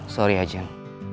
sorry ya jen